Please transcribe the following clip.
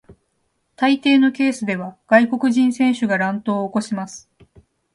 大抵のケースでは外国人選手が乱闘を起こします。